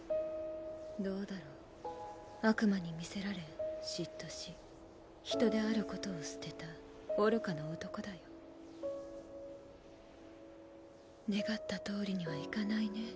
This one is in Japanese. どうだろう悪魔に魅せられ嫉妬し人であることを捨てた愚かな男だよ願ったとおりにはいかないね